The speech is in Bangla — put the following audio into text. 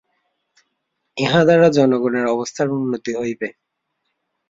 ইহা দ্বারা জনগণের অবস্থার উন্নতি হইবে।